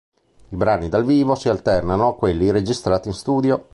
I brani dal vivo si alternano a quelli registrati in studio.